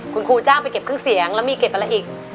คุณครูจ้างไปเก็บเครื่องเสียงแล้วมีเก็บอะไรอีก